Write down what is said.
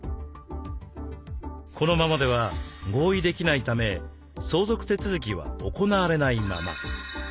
このままでは合意できないため相続手続きは行われないまま。